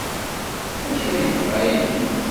D acu ay yebɣa ihi?